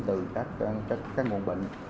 từ các nguồn bệnh